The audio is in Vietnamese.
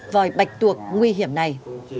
vòi bạch tuộc nguy hiểm này